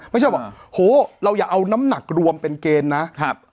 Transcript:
ไม่ใช่ว่าว่าโหเราอย่าเอาน้ำหนักรวมเป็นเกณฑ์นะ